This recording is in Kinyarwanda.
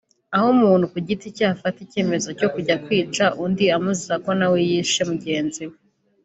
aho umuntu ku giti cye yafata icyemezo cyo kujya kwica undi amuziza ko na we yishe mugenzi we